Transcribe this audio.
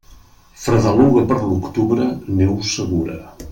Fredeluga per l'octubre, neu segura.